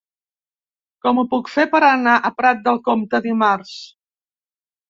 Com ho puc fer per anar a Prat de Comte dimarts?